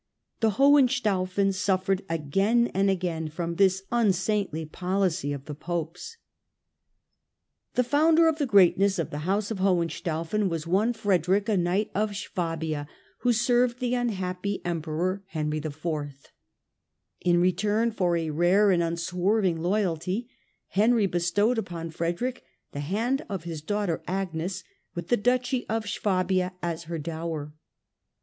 The Hohen staufens suffered again and again from this unsaintly policy of the Popes. 1 8 STUPOR MUNDI The founder of the greatness of the house of Hohen staufen was one Frederick, a knight of Suabia, who served the unhappy Emperor, Henry IV. In return for a rare and unswerving loyalty, Henry bestowed upon Frederick the hand of his daughter Agnes, with the Duchy of Suabia as her dower.